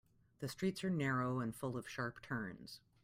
The streets are narrow and full of sharp turns.